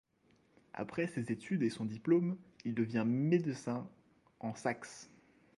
Après ses études et son diplôme, il devient médecin en Saxe.